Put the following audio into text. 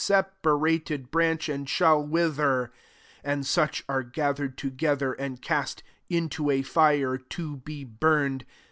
sefiarated branch, and shall wither: and such are gathered together, and cast into a fire, to be burned.